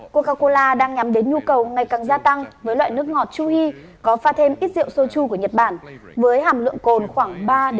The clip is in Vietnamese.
coca cola đang nhắm đến nhu cầu ngày càng gia tăng với loại nước ngọt chui có pha thêm ít rượu sochu của nhật bản với hàm lượng cồn khoảng ba năm mươi